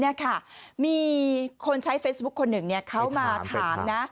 เนี้ยค่ะมีคนใช้คนหนึ่งเนี้ยเขามาถามนะ